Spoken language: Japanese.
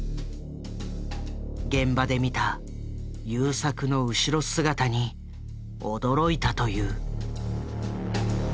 現場で見た優作の後ろ姿に驚いたという。